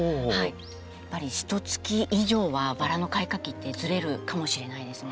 やっぱりひとつき以上はバラの開花期ってずれるかもしれないですね。